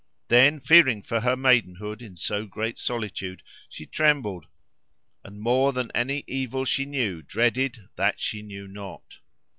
Then, fearing for her maidenhood in so great solitude, she trembled, and more than any evil she knew dreaded that she knew not.